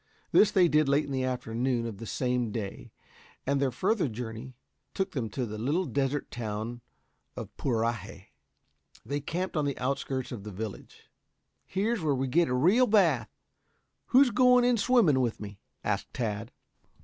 This they did late in the afternoon of the same day, and their further journey took them to the little desert town of Puraje. They camped on the outskirts of the village. "Here's where we get a real bath. Who's going in swimming with me?" asked Tad.